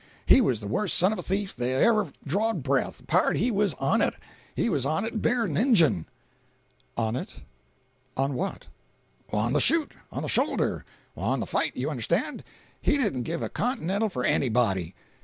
He was the worst son of a thief that ever drawed breath. Pard, he was on it! He was on it bigger than an Injun!" "On it? On what?" "On the shoot. On the shoulder. On the fight, you understand. He didn't give a continental for anybody.